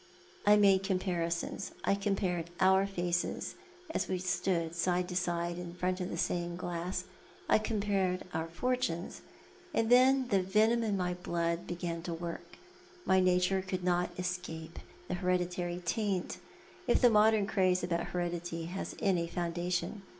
I made com parisons. I compared our faces as we stood side by side in front of the same glass. I compared our fortunes, and then the venom in my blood began to work. My nature could not escape the hereditary taint— if the modern craze about heredity has any foundation.